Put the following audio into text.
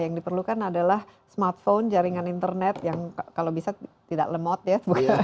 yang diperlukan adalah smartphone jaringan internet yang kalau bisa tidak lemot ya